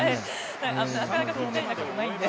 なかなかピッタリなことないんで。